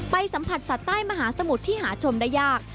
สัมผัสสัตว์ใต้มหาสมุทรที่หาชมได้ยาก